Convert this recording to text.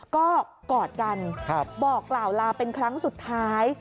ก็กอดกันบอกกล่าวลาเป็นครั้งสุดท้าย